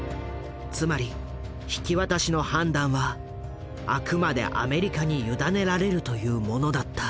つまり引き渡しの判断はあくまでアメリカに委ねられるというものだった。